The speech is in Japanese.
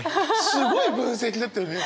すごい分析だったよね！